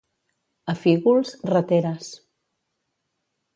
A Fígols, rateres.